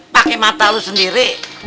pake mata lo sendiri